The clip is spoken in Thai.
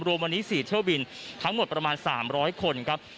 รวมวันนี้๔เที่ยวบินทั้งหมดประมาณ๓๐๐คนครับ